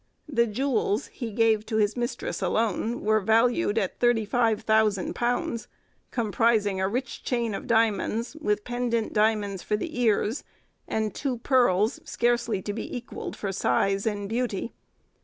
The jewels, he gave to his mistress alone, were valued at £35,000, comprising a rich chain of diamonds, with pendant diamonds for the ears; and two pearls scarcely to be equalled for size and beauty.